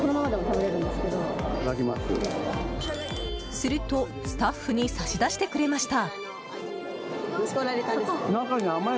すると、スタッフに差し出してくれました。